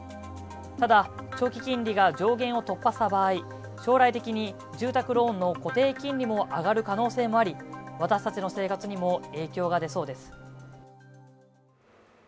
ただ長期金利が上限を突破した場合将来的に住宅ローンの固定金利も上がる可能性があり私たちの生活にも影響が出そうです。